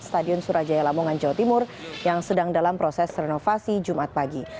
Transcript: stadion surajaya lamongan jawa timur yang sedang dalam proses renovasi jumat pagi